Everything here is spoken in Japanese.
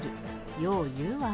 よう言うわ。